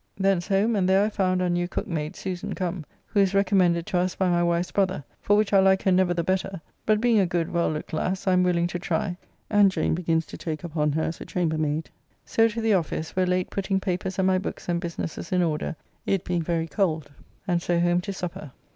Thence home, and there I found our new cook mayde Susan come, who is recommended to us by my wife's brother, for which I like her never the better, but being a good well looked lass, I am willing to try, and Jane begins to take upon her as a chamber mayde. So to the office, where late putting papers and my books and businesses in order, it being very cold, and so home to supper.